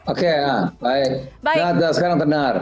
oke baik sekarang tenar